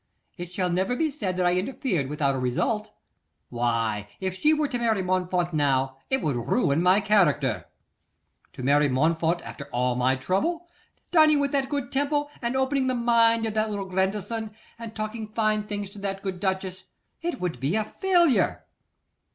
It shall never be said that I interfered without a result. Why, if she were to marry Montfort now, it would ruin my character. To marry Montfort after all my trouble: dining with that good Temple, and opening the mind of that little Grandison, and talking fine things to that good duchess; it would be a failure.